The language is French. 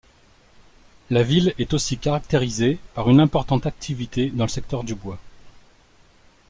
La ville est aussi caractérisée par une importante activité dans le secteur du bois.